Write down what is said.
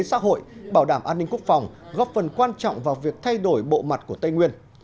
xã hội bảo đảm an ninh quốc phòng góp phần quan trọng vào việc thay đổi bộ mặt của tây nguyên